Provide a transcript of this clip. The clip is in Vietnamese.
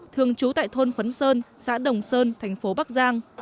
thường trú tại thôn phấn sơn xã đồng sơn thành phố bắc giang